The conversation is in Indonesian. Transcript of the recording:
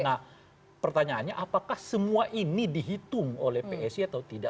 nah pertanyaannya apakah semua ini dihitung oleh psi atau tidak